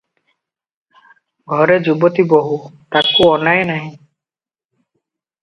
ଘରେ ଯୁବତୀ ବୋହୂ, ତାକୁ ଅନାଏ ନାହିଁ ।